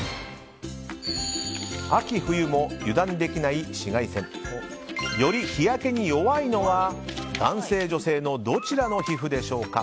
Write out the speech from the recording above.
秋冬も油断できない紫外線。より日焼けに弱いのは男性、女性のどちらの皮膚でしょうか。